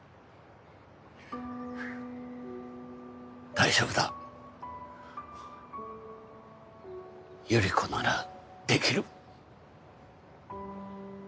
大丈夫だゆり子ならできる。